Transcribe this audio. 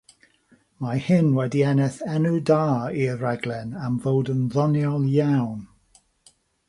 Mae hyn wedi ennill enw da i'r rhaglen am fod yn ddoniol iawn.